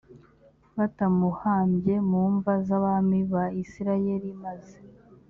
batamuhambye mu mva z abami ba isirayeli maze